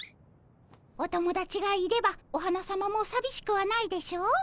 おともだちがいればお花さまもさびしくはないでしょう？